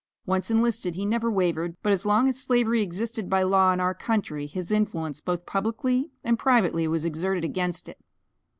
Once enlisted, he never wavered, but as long as slavery existed by law in our country his influence, both publicly and privately, was exerted against it.